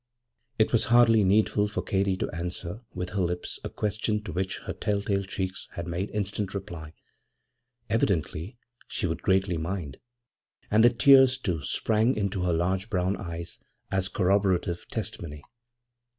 < 6 > It was hardly needful for Katy to answer with her lips a question to which her tell tale cheeks had made instant reply. Evidently she would greatly mind; and the tears, too, sprang into her large brown eyes as corroborative testimony.